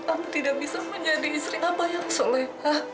ambo tidak bisa menjadi istri abah yang soleh